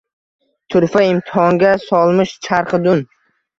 Turfa imtihonga solmish charxi dun.